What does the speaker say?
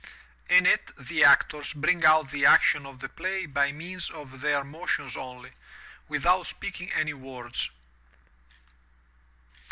In it the actors bring out the action of the play by means of their motions only, without speaking any words.